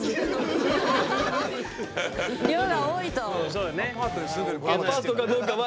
そうだよね。